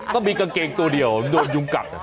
ก็มีกางเกงตัวเดียวโดนยุงกัด